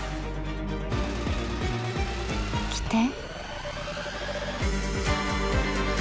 来て。